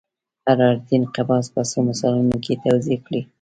حرارتي انقباض په څو مثالونو کې توضیح کړئ.